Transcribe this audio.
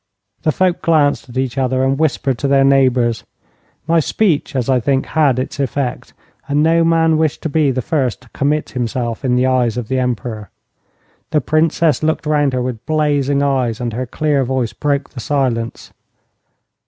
The folk glanced at each other, and whispered to their neighbours. My speech, as I think, had its effect, and no man wished to be the first to commit himself in the eyes of the Emperor. The Princess looked round her with blazing eyes, and her clear voice broke the silence.